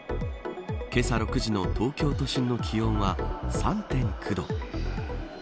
けさ６時の東京都心の気温は３．９度。